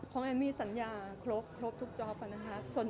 ของแอนด์มีสัญญาครบครบทุกจอบค่ะนะคะ